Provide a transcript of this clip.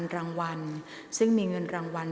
ออกรางวัลเลขหน้า๓ตัวครั้งที่๒ครั้งสุดท้ายค่ะ